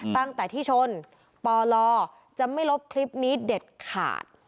ตั้งแต่ที่ชนปลจะไม่ลบคลิปนี้เด็ดขาด